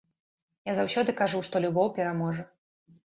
Я заўсёды кажу, што любоў пераможа.